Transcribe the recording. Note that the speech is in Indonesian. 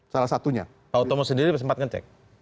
salah satunya pak utomo sendiri sempat ngecek